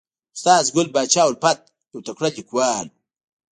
استاد ګل پاچا الفت یو تکړه لیکوال و